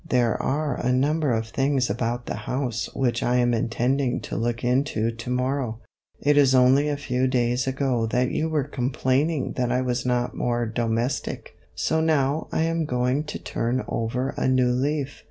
" There are a num ber of things about the house which I am intending to look into to morrow; it is only a few days ago that you were complaining that I was not more domestic, so now I am going to turn over a new leaf.